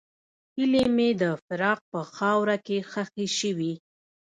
هیلې مې د فراق په خاوره کې ښخې شوې.